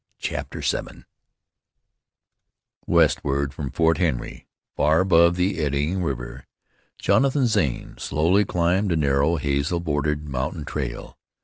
CHAPTER VII Westward from Fort Henry, far above the eddying river, Jonathan Zane slowly climbed a narrow, hazel bordered, mountain trail.